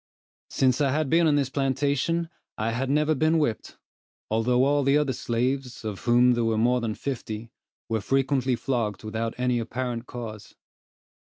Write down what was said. Since I had been on this plantation, I had never been whipped, although all the other slaves, of whom there were more than fifty, were frequently flogged without any apparent cause.